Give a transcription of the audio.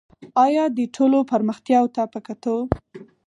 آیا دې ټولو پرمختیاوو ته په کتو